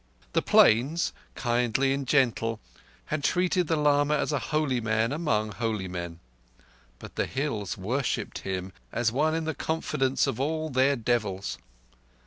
The Plains—kindly and gentle—had treated the lama as a holy man among holy men. But the Hills worshipped him as one in the confidence of all their devils.